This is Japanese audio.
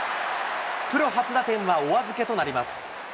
プロ初打点はお預けとなります。